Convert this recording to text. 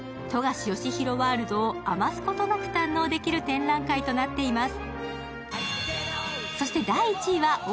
冨樫義博ワールドを余すところなく堪能できる展覧会となっています。